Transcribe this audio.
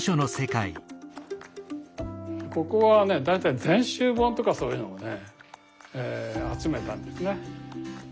ここはね大体全集本とかそういうのをね集めたんですね。